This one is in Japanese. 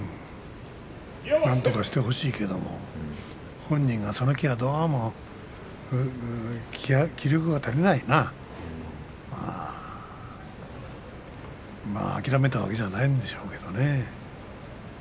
なんとかしてほしいけども本人がその気がどうも気力が足りないな諦めたわけじゃないでしょうけどね。